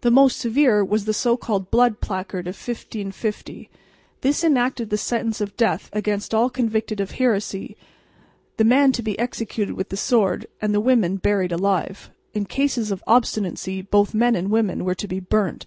The most severe was the so called "blood placard" of 1550. This enacted the sentence of death against all convicted of heresy the men to be executed with the sword and the women buried alive; in cases of obstinacy both men and women were to be burnt.